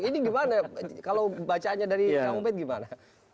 ini gimana kalau bacaannya dari kang ubed gimana